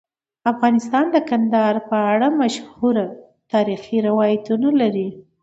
افغانستان د کندهار په اړه مشهور تاریخی روایتونه لري.